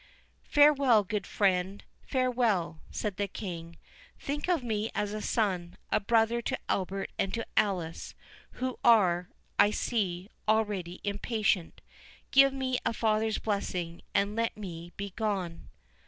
"Farewell, good friend, farewell!" said the King; "think of me as a son, a brother to Albert and to Alice, who are, I see, already impatient. Give me a father's blessing, and let me be gone."